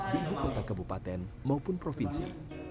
di ibu kota kabupaten maupun provinsi